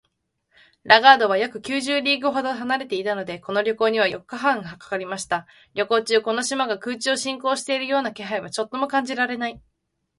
ラガードは約九十リーグほど離れていたので、この旅行には四日半かかりました。旅行中、この島が空中を進行しているような気配はちょっとも感じられない